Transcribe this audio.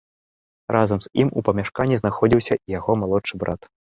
Разам з ім у памяшканні знаходзіўся яго малодшы брат.